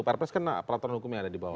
perpres kena peraturan hukum yang ada di bawah